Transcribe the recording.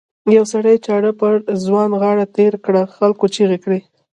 یوه سړي چاړه پر ځوان غاړه تېره کړه خلکو چیغې کړې.